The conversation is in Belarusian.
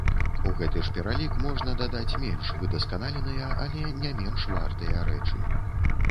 У гэты ж пералік можна дадаць менш выдасканаленыя, але не менш вартыя рэчы.